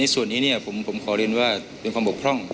มีการที่จะพยายามติดศิลป์บ่นเจ้าพระงานนะครับ